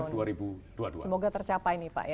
semoga tercapai nih pak ya